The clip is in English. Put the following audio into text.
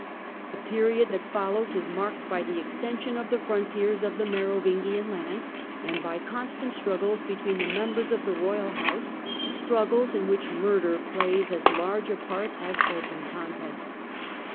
The period that follows is marked by the extension of the frontiers of the Merovingian lands and by constant struggles between* the members of the roj i\ house — struggles in which murder plays as large a part as open contest.